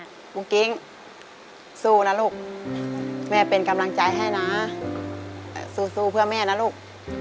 กุ้งกิ๊งสู้นะลูกแม่เป็นกำลังใจให้นะสู้เพื่อแม่นะลูก